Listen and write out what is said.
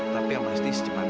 tapi yang pasti secepatnya